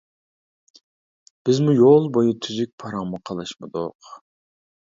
بىزمۇ يول بويى تۈزۈك پاراڭمۇ قىلىشمىدۇق.